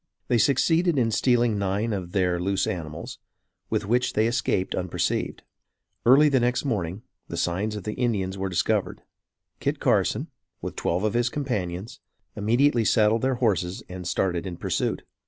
They succeeded in stealing nine of their loose animals, with which they escaped unperceived. Early the next morning, the signs of the Indians were discovered. Kit Carson, with twelve of his companions, immediately saddled their horses and started in pursuit.